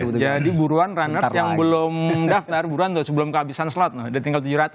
jadi buruan runner yang belum daftar buruan tuh sebelum kehabisan slot udah tinggal tujuh ratus